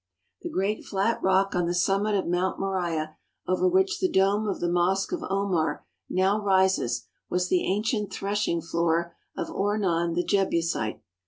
The great flat rock on the summit of Mount Moriah over which the dome of the Mosque of Omar now rises was the ancient threshing floor of Oman the Jebusite.